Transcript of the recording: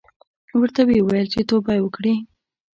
ورته ویې ویل چې توبه وکړې.